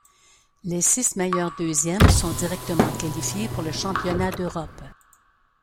Les six meilleurs deuxièmes sont directement qualifiés pour le championnat d'Europe.